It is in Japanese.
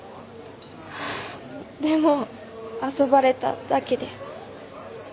でも遊ばれただけで。